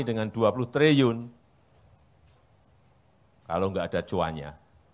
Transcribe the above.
dengan rp dua puluh triliun kalau enggak ada cuanya